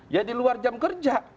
ya di luar jam kerja